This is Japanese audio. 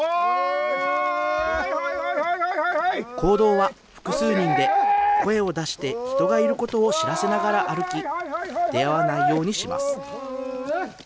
行動は複数人で、声を出して人がいることを知らせながら歩き、出会わないようにします。